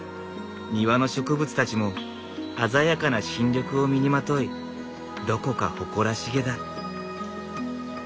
庭の植物たちも鮮やかな新緑を身にまといどこか誇らしげだ。